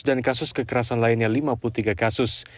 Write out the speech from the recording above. dan kasus kekerasan lainnya lima puluh tiga kasus